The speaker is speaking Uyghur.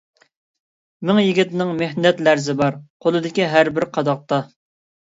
مىڭ يىگىتنىڭ مېھنەت لەرزى بار، قولىدىكى ھەربىر قاداقتا.